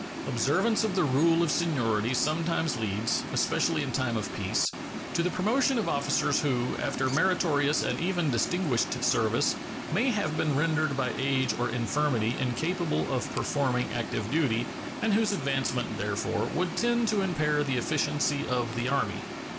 Observance of the rule of seniority sometimes leads, especially in time of peace, to the promotion of officers who, after meritorious and even distinguished service, may have been rendered by age or infirmity incapable of performing active duty, and whose advancement, therefore, would tend to impair the efficiency of the Army.